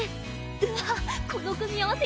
うわっこの組み合わせ